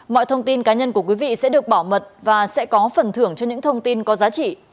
mọi thông tin cá nhân của quý vị sẽ được bảo mật và sẽ có phần thưởng cho những thông tin có giá trị